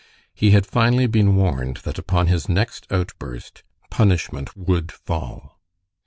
He had finally been warned that upon his next outburst punishment would fall.